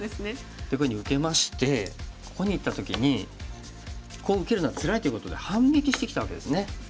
こういうふうに受けましてここにいった時にこう受けるのはつらいということで反撃してきたわけですね。